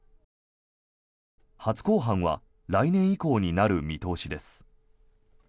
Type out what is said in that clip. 初公判は来年以降になる見通しです。